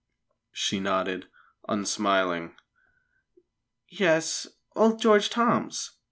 She nodded, unsmiling. "Yes; old George Toms.